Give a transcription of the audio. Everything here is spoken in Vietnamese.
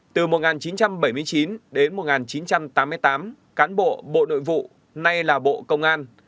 từ một nghìn chín trăm bảy mươi chín đến một nghìn chín trăm tám mươi tám cán bộ bộ nội vụ nay là bộ công an